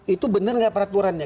itu benar enggak peraturannya